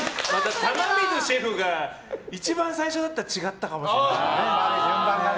玉水シェフが一番最初だったら違ったかもしれないね。